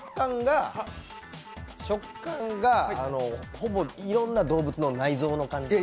食感がほぼ、いろんな動物の内臓。